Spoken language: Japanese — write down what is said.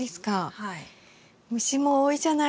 はい。